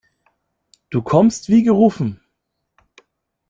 Du kommst wie gerufen.